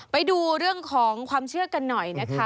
ไปดูเรื่องของความเชื่อกันหน่อยนะคะ